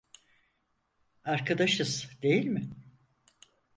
Arkadaşız, değil mi?